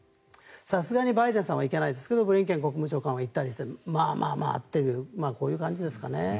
さすがにバイデンさんは行けないですがブリンケン国務長官は行ったりしてまあまあという感じですかね。